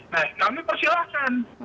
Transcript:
nah kami persilahkan